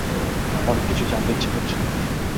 অনেক কিছুই জানতে ইচ্ছা করছে।